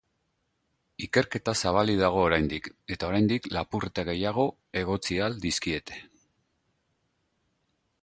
Ikerketa zabalik dago oraindik, eta oraindik lapurreta gehiago egotzi ahal dizkiete.